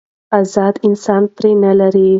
ازاد انسان پور نه لري.